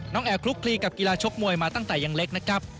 แอร์คลุกคลีกับกีฬาชกมวยมาตั้งแต่ยังเล็กนะครับ